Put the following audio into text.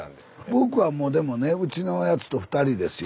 僕はもうでもねうちのやつと２人ですよ。